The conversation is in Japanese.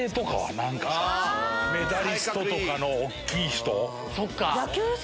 メダリストとかの大きい人。